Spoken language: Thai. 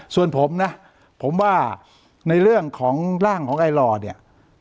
ส่วนผมนะผมว่าในเรื่องของร่างของไอหล่อเนี่ย